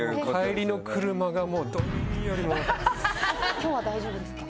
今日は大丈夫ですか？